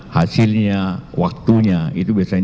hasilnya waktunya itu biasanya